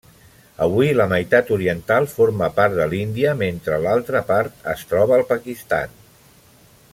Avui, la meitat oriental forma part de l'Índia, mentre l'altra part es troba al Pakistan.